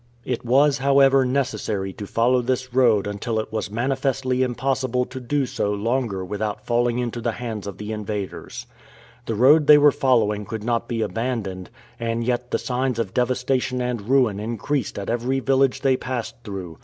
It was, however, necessary to follow this road until it was manifestly impossible to do so longer without falling into the hands of the invaders. The road they were following could not be abandoned, and yet the signs of devastation and ruin increased at every village they passed through.